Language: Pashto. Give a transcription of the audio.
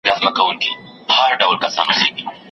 نه د ځان نه د جانان نه د جهان سوم